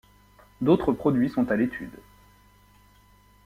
D'autres produits sont à l'étude.